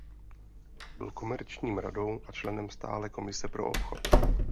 Byl komerčním radou a členem stále komise pro obchod.